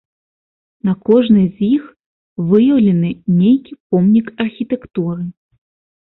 На кожнай з іх выяўлены нейкі помнік архітэктуры.